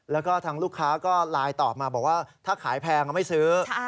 แล้วก็ทางลูกค้าก็ไลน์ตอบมาบอกว่าถ้าขายแพงก็ไม่ซื้อ